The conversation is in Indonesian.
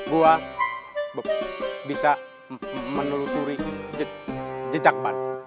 gua bisa menelusuri jejak ban